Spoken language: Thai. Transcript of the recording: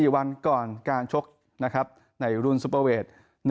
๔วันก่อนการชกในรุ่นซุปเปอร์เวท